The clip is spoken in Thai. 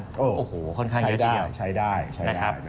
ใช้ได้ใช้ได้นะครับ